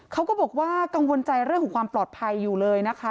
เขาก็บอกว่ากังวลใจเรื่องของความปลอดภัยอยู่เลยนะคะ